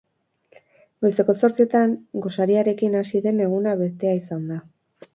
Goizeko zortzietan gosariarekin hasi den eguna betea izan da.